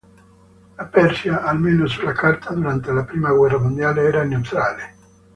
La Persia, almeno sulla carta, durante la prima guerra mondiale era neutrale.